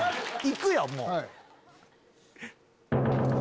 行くよもう。